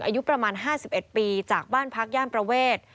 อายุประมาณ๕๑ปีจากบ้านพักย่านประเวท